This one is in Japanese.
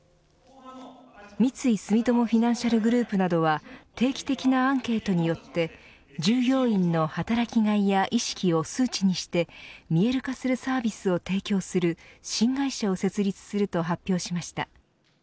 三井住友フィナンシャルグループなどは定期的なアンケートによって従業員の働きがいや意識を数値にして見える化するサービスを提供する新会社を設立すると発表しました。